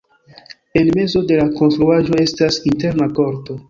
En mezo de la konstruaĵo estas interna korto.